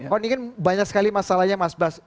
kau ingin banyak sekali masalahnya mas bas